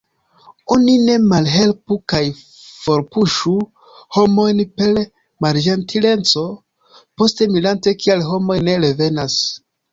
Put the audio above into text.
Oni ne malhelpu kaj forpuŝu homojn per malĝentileco, poste mirante kial homoj ne revenas.